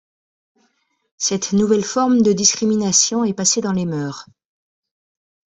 Cette nouvelle forme de discrimination est passée dans les mœurs.